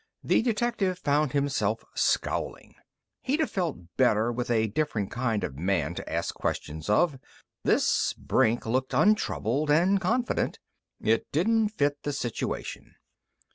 The detective found himself scowling. He'd have felt better with a different kind of man to ask questions of. This Brink looked untroubled and confident. It didn't fit the situation.